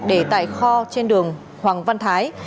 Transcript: để tại kho trên đường hoàng văn thái